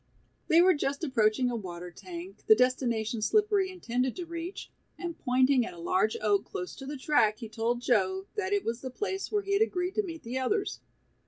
] They were just approaching a water tank, the destination Slippery intended to reach, and pointing at a large oak close to the track he told Joe that it was the place where he had agreed to meet the others.